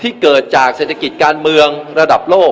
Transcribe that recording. เกิดจากเศรษฐกิจการเมืองระดับโลก